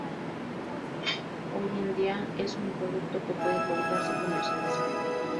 Hoy en día es un producto que puede comprarse comercializado.